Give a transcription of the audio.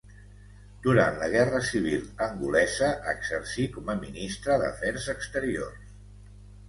Durant la Guerra Civil angolesa exercí com a ministre d'afers exteriors.